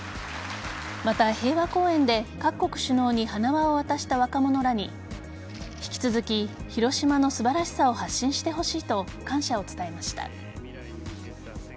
また、平和公園で各国首脳に花輪を渡した若者らに引き続き、広島の素晴らしさを発信してほしいと感謝を伝えました。